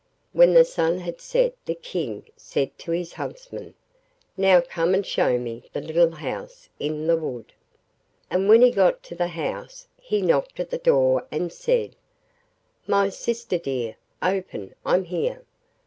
When the sun had set the King said to his huntsman, 'Now come and show me the little house in the wood.' And when he got to the house he knocked at the door and said, 'My sister dear, open; I'm here.